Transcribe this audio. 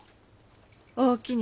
おおきに。